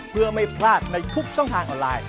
เพื่อไม่พลาดในทุกช่องทางออนไลน์